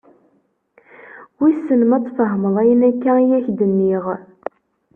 Wissen ma ad d-tfehmeḍ ayen akka i ak-d-nniɣ.